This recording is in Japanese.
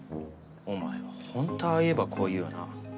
お前は本当ああ言えばこう言うよな。